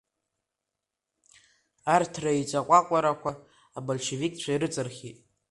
Арҭ реиҵаҟәаҟәарақәа абольшевикцәа ирыҵырхит.